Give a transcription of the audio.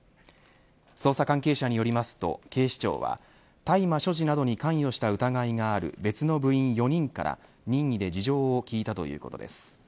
捜査関係者によりますと警視庁は大麻所持などに関与した疑いがある別の部員４人から任意で事情を聞いたということです。